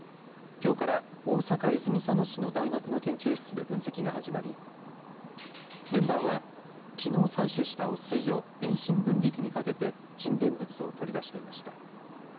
きょうから大阪・泉佐野市の大学の研究室で分析が始まりメンバーはきのう採取した汚水を遠心分離機にかけて沈殿物を取り出していました。